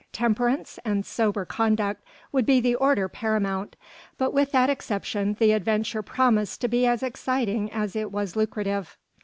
Temperance and sober conduct would be the order paramount, but with that exception the adventure promised to be as exciting as it was lucrative.